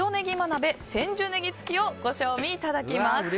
鍋千住ねぎ付をご賞味いただきます。